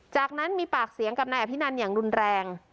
จากนั้นมีปากเสียงกับนายอภินันอย่างรุนแรง